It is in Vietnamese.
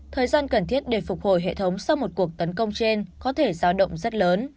thời gian cần thiết để phục hồi hệ thống sau một cuộc tấn công trên có thể giao động rất lớn